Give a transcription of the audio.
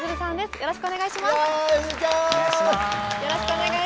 よろしくお願いします。